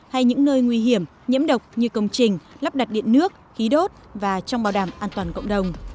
hay những nơi nguy hiểm nhiễm độc như công trình lắp đặt điện nước khí đốt và trong bảo đảm an toàn cộng đồng